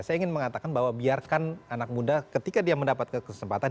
saya ingin mengatakan bahwa biarkan anak muda ketika dia mendapat kesempatan